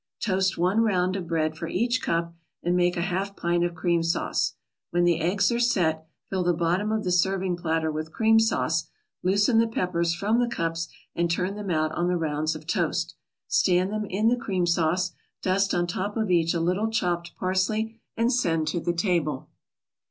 Toast one round of bread for each cup and make a half pint of cream sauce. When the eggs are "set," fill the bottom of the serving platter with cream sauce, loosen the peppers from the cups and turn them out on the rounds of toast. Stand them in the cream sauce, dust on top of each a little chopped parsley and send to the table.